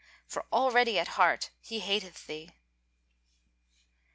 For already at heart he hateth thee."